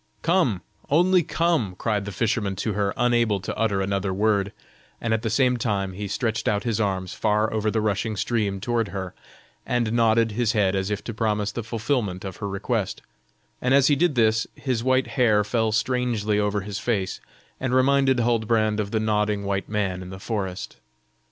"Come, only come," cried the fisherman to her, unable to utter another word: and at the same time he stretched out his arms far over the rushing stream toward her, and nodded his head as if to promise the fulfilment of her request, and as he did this, his white hair fell strangely over his face, and reminded Huldbrand of the nodding white man in the forest.